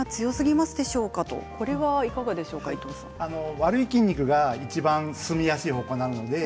悪い筋肉がいちばん進みやすい方向です。